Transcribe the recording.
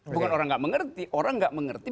bukan orang nggak mengerti orang nggak mengerti